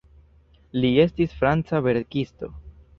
Li estis franca verkisto.